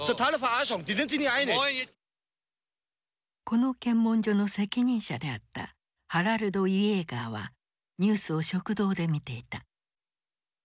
この検問所の責任者であったハラルド・イエーガーはニュースを食堂で見ていた。